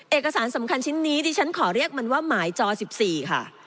เอกสารสำคัญชิ้นนี้ดิฉันขอเรียกมันว่าหมายจ๑๔ค่ะ